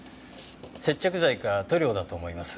接着剤か塗料だと思います。